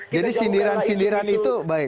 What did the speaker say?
jadi sindiran sindiran itu baik